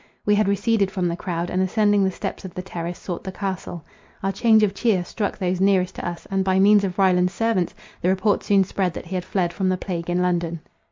We had receded from the crowd; and ascending the steps of the terrace, sought the Castle. Our change of cheer struck those nearest to us; and, by means of Ryland's servants, the report soon spread that he had fled from the plague in London.